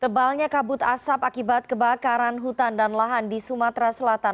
tebalnya kabut asap akibat kebakaran hutan dan lahan di sumatera selatan